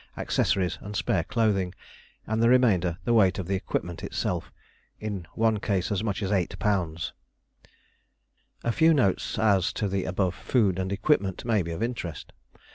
accessories and spare clothing; and the remainder the weight of the equipment itself in one case as much as 8 lb. A few notes as to the above food and equipment may be of interest.